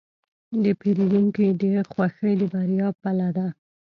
د پیرودونکي خوښي د بریا پله ده.